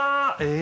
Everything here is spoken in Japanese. え。